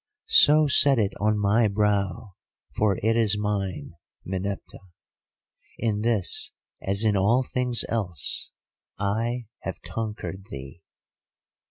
So set it on my brow, for it is mine, Meneptah. In this, as in all things else, I have conquered thee.